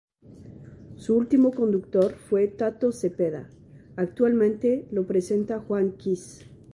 Su último conductor fue Tato Cepeda; actualmente lo presenta Juan "Kiss".